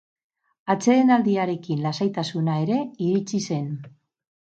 Atsedenaldiarekin lasaitasuna ere iritsi zen.